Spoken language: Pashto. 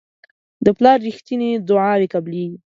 د پلار رښتیني دعاوې قبلیږي.